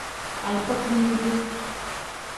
Alifa kinide.